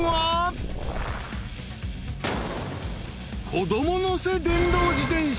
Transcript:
［子供乗せ電動自転車。